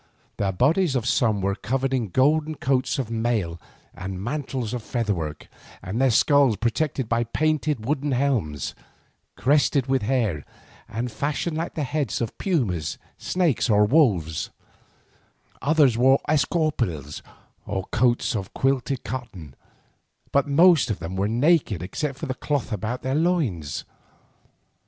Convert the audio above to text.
The bodies of some were covered with golden coats of mail and mantles of featherwork, and their skulls protected by painted wooden helms, crested with hair, and fashioned like the heads of pumas, snakes, or wolves—others wore escaupils, or coats of quilted cotton, but the most of them were naked except for a cloth about the loins.